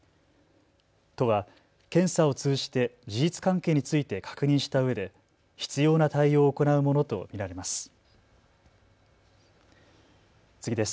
都は検査を通じて事実関係について確認したうえで必要な対応を行うものと見られます。